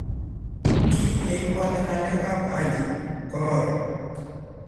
kii ye ibwaat ngalekab Haji korori.